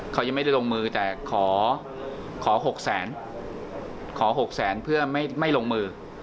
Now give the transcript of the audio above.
เขายังไม่ได้ลงมือแต่ขอ๖แสนขอ๖แสนเพื่อไม่ลงมือ